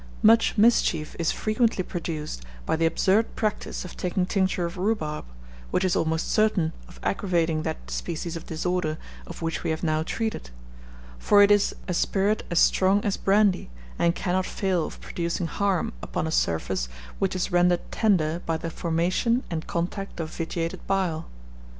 Much mischief is frequently produced by the absurd practice of taking tincture of rhubarb, which is almost certain of aggravating that species of disorder of which we have now treated; for it is a spirit as strong as brandy, and cannot fail of producing harm upon a surface which is rendered tender by the formation and contact of vitiated bile.